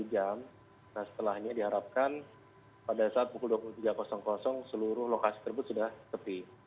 satu jam setelah ini diharapkan pada saat pukul dua puluh tiga seluruh lokasi tersebut sudah tepi